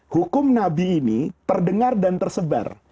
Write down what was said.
hukum nabi ini terdengar dan tersebar